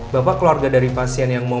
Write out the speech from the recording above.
bapak keluarga dari pasien yang mau